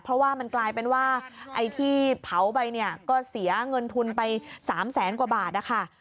เพราะว่ามันกลายเป็นว่าที่เผาไปก็เสียเงินทุนไป๓แสนกว่าบาท